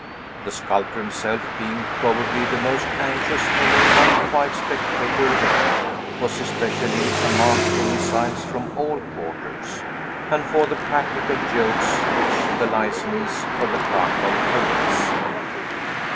The sculptor himself, being probably the most anxious and unquiet spectator there, was especially a mark for missiles from all quarters, and for the practical jokes which the license of the Carnival permits.